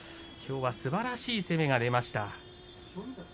きょうはすばらしい攻めが出ました。